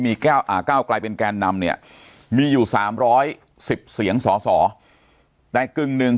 มีก้าวไกลเป็นแกนนำเนี่ยมีอยู่๓๑๐เสียงสอสอแต่กึ่งหนึ่ง